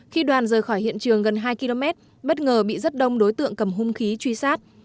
khi đoàn rời khỏi hiện trường gần hai km bất ngờ bị rất đông đối tượng cầm hung khí truy sát